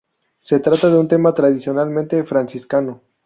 Se trata de un tema tradicionalmente franciscano.